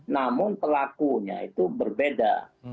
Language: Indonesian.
namun pelakunya itu berbeda